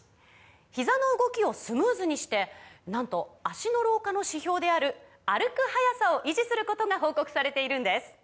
ひざの動きをスムーズにしてなんと脚の老化の指標である歩く速さを維持することが報告されているんです